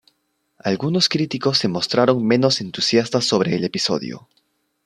Algunos críticos se mostraron menos entusiastas sobre el episodio.